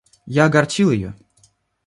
Я огорчил ее.